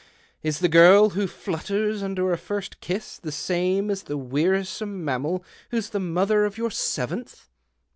Is the girl who flutters under a first kiss the same as the wearisome mammal who's the mother of your seventh